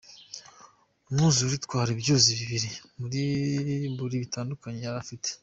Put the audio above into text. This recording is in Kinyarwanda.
Umwuzure utwara ibyuzi bibiri muri bitandatu yari afite.